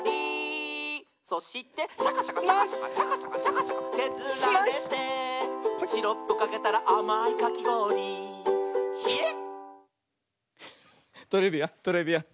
「シャカシャカシャカシャカシャカシャカシャカシャカけずられて」「シロップかけたらあまいかきごおりヒエっ！」トレビアントレビアン。